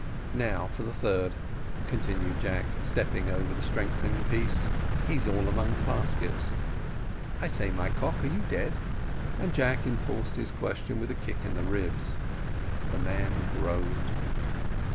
Now for the third," continued Jack, stepping over the strengthening piece "he's all among the baskets. I say, my cock, are you dead?" and Jack enforced his question with a kick in the ribs. The man groaned.